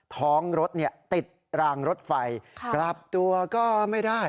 ท้องรถติดรางรถไฟกลับตัวก็ไม่ได้